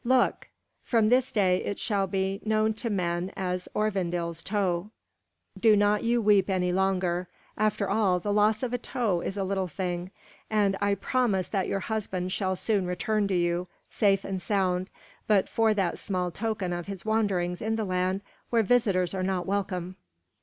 Look! From this day it shall be known to men as Örvandil's Toe. Do not you weep any longer. After all, the loss of a toe is a little thing; and I promise that your husband shall soon return to you, safe and sound, but for that small token of his wanderings in the land where visitors are not welcome."